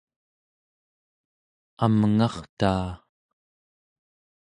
amngartaa